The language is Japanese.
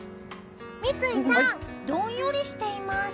三井さん、どんよりしています。